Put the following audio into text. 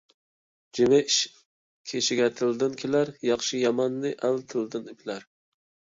جىمى ئىش كىشىگە تىلىدىن كېلەر، ياخشى - ياماننى ئەل تىلىدىن بىلەر.